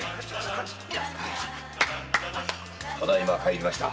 ただいま帰りました。